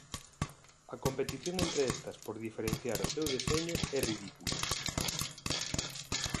A competición entre estas por diferenciar o seu deseño é ridícula.